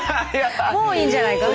もういいんじゃないかって。